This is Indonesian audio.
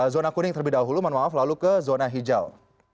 zona kuning terlebih dahulu lalu ke zona hijau